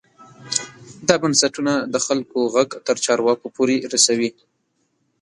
دا بنسټونه د خلکو غږ تر چارواکو پورې رسوي.